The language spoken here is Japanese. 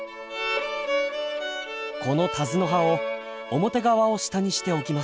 このタズの葉を表側を下にして置きます。